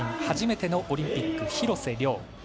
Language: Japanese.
初めてのオリンピック、廣瀬峻。